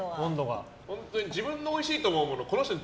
自分のおいしいと思うもの